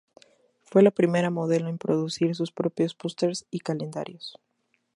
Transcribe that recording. Fue la primera modelo en producir sus propios pósters y calendarios.